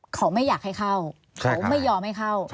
เขาไม่อยากให้เข้าเขาไม่ยอมให้เข้า